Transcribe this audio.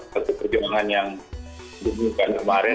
tentu perjuangan yang didengungkan kemarin